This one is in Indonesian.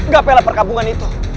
gapalah perkabungan itu